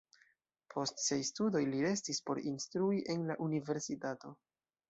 Post siaj studoj li restis por instrui en la universitato.